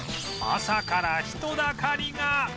朝から人だかりが！